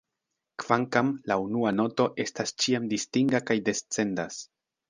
Kvankam, la unua noto estas ĉiam distinga kaj descendas.